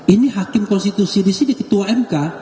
ini hakim konstitusi di sini ketua mk